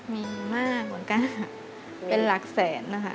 มีมากเหมือนกันค่ะเป็นหลักแสนนะคะ